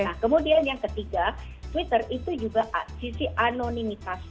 nah kemudian yang ketiga twitter itu juga sisi anonimitas